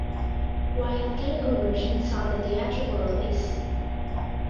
While Telugu version saw the theatrical release.